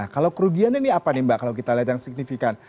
kalau kerugian ini apa nih mbak kalau kita lihat yang signifikan